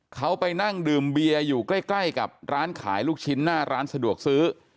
เขาไปนั่งดื่มเบียร์อยู่ใกล้กับร้านขายลูกชิ้นหน้าร้านสะดวกซื้อ